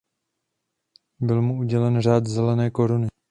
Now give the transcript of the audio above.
Byl mu udělen Řád železné koruny.